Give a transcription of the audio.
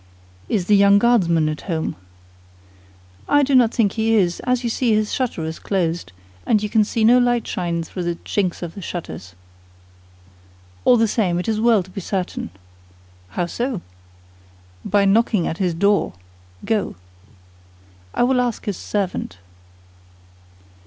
"Is the young Guardsman at home?" "I do not think he is; as you see, his shutter is closed, and you can see no light shine through the chinks of the shutters." "All the same, it is well to be certain." "How so?" "By knocking at his door. Go." "I will ask his servant."